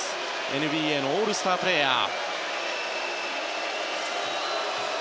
ＮＢＡのオールスタープレーヤー。